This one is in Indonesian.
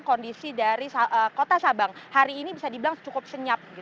kondisi dari kota sabang hari ini bisa dibilang cukup senyap